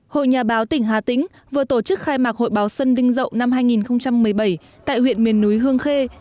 hội nhà báo tỉnh hà tĩnh vừa tổ chức khai mạc hội báo xuân đinh dậu năm hai nghìn một mươi bảy tại huyện miền núi hương khê